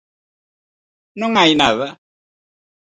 Non hai nada.